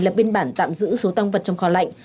lập biên bản tạm giữ số tăng vật trong kho lạnh